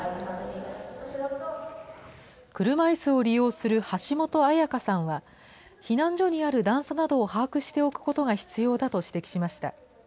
車いすを利用する橋本絢花さんは、避難所にある段差などを把握しておくことが必要だと指摘しました。